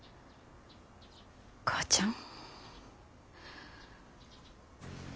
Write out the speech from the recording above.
母ちゃん。